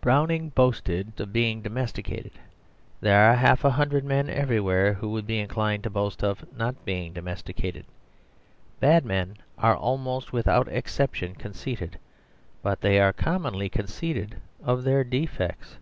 Browning boasted of being domesticated; there are half a hundred men everywhere who would be inclined to boast of not being domesticated. Bad men are almost without exception conceited, but they are commonly conceited of their defects.